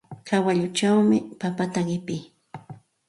Kawalluchawmi papata qipii.